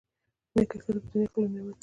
نېکه ښځه په دنیا کي لوی نعمت دی.